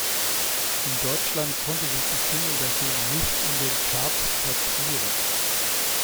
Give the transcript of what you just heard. In Deutschland konnte sich die Single dagegen nicht in den Charts platzieren.